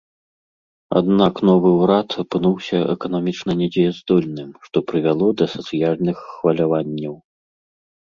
Аднак новы ўрад апынуўся эканамічна недзеяздольным, што прывяло да сацыяльных хваляванняў.